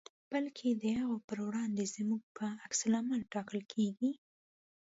بلکې د هغو په وړاندې زموږ په عکس العمل ټاکل کېږي.